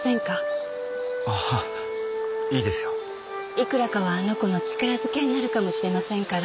いくらかはあの子の力づけになるかもしれませんから。